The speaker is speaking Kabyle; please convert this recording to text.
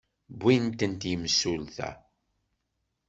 Wwin-tent yimsulta.